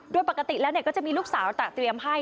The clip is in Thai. โดยปกติแล้วก็จะมีลูกสาวตะเตรียมให้